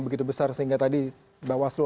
begitu besar sehingga tadi mbak waslu